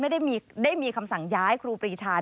ไม่ได้มีคำสั่งย้ายครูปรีชา